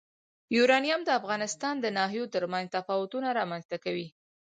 یورانیم د افغانستان د ناحیو ترمنځ تفاوتونه رامنځ ته کوي.